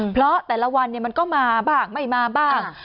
เพราะแต่ละวันมันก็มาบ้างไม่มาบ้าง